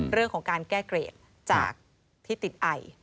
เรื่องของการแก้เกรดจากที่ติดไอ